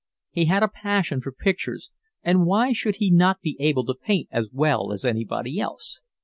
He had a passion for pictures, and why should he not be able to paint as well as anybody else?